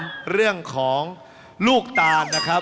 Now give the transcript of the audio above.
เรื่องของลูกตานนะครับ